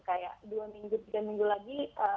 kayak dua minggu tiga minggu lagi